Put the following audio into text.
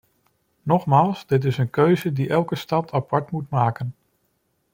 Nogmaals, dit is een keuze die elke stad apart moet maken.